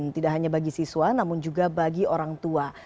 tidak hanya bagi siswa namun juga bagi orang tua